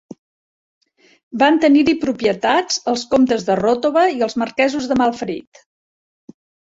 Van tenir-hi propietats els comtes de Ròtova i els marquesos de Malferit.